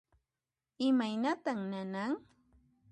Imaynatan nanan?